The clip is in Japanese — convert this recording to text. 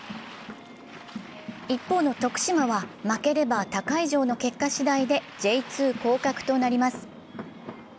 一方の徳島は負ければ他会場の結果しだいでＪ２降格となります。